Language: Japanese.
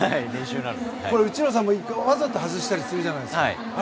内村さんも１回わざと外したりするじゃないですか。